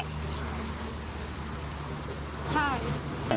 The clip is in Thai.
ใช่